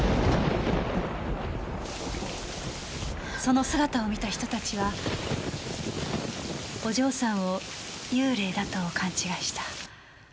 その姿を見た人たちはお嬢さんを幽霊だと勘違いした。